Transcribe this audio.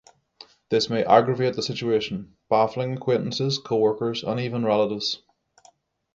This may aggravate the situation, baffling acquaintances, coworkers, and even relatives.